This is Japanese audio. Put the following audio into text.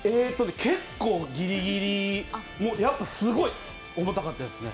結構ギリギリやっぱりすごい重たかったですね。